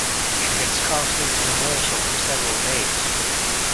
She had scarcely eaten a morsel for several days.